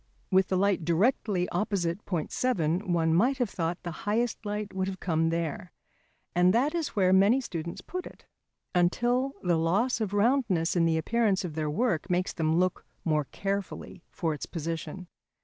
With the light directly opposite point 7, one might have thought the highest light would have come there, and that is where many students put it, until the loss of roundness in the appearance of their work makes them look more carefully for its position.